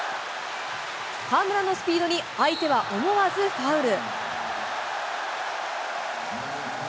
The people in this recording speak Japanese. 河村のスピードに相手は思わずファウル。